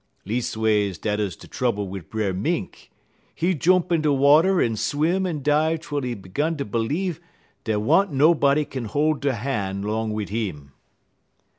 Leasways dat 'uz de trouble wid Brer Mink. He jump in de water en swim en dive twel he 'gun ter b'leeve dey wa'n't nobody kin hol' der han' long wid 'im.